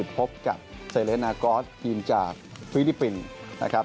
พบกับเซเลนากอสทีมจากฟิลิปปินส์นะครับ